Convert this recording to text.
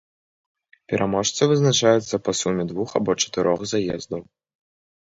Пераможца вызначаецца па суме двух або чатырох заездаў.